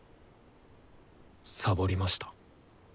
サボりました。